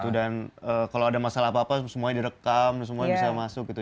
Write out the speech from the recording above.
dan kalau ada masalah apa apa semuanya direkam dan semuanya bisa masuk gitu